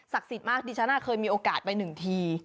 ศักดิ์สิทธิ์มากดิฉะนั้นเคยมีโอกาสไปหนึ่งที